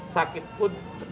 sakit pun tetap sehat